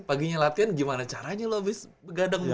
paginya latihan gimana caranya lu abis begadang begitu